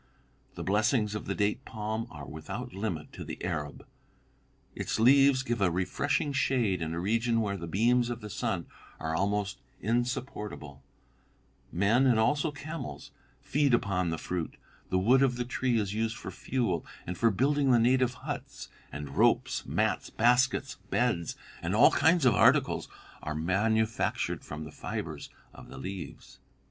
The blessings of the date palm are without limit to the Arab. Its leaves give a refreshing shade in a region where the beams of the sun are almost insupportable; men, and also camels, feed upon the fruit; the wood of the tree is used for fuel and for building the native huts; and ropes, mats, baskets, beds, and all kinds of articles, are manufactured from the fibres of the leaves.